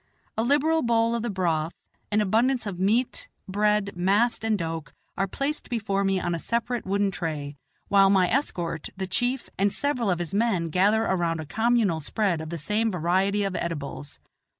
A liberal bowl of the broth, an abundance of meat, bread, mast and doke are placed before me on a separate wooden tray, while my escort, the chief, and several of his men gather around a communal spread of the same variety of edibles.